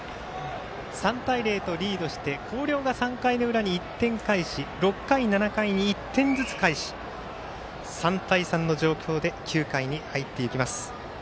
３対０とリードして広陵が３回の裏に１点返し６回、７回に１点ずつ返し、３対３の状況で９回に入っていきます。